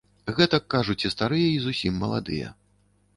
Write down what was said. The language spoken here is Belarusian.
Гэтак кажуць і старыя й зусім маладыя.